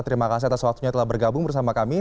terima kasih atas waktunya telah bergabung bersama kami